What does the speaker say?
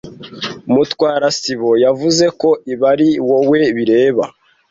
Mutwara sibo yavuze ko ibi ari wowe bireba.